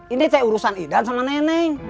ini cek urusan idan sama neneng